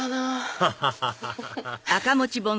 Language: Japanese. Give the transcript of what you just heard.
ハハハハハ